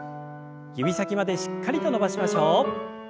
指先までしっかりと伸ばしましょう。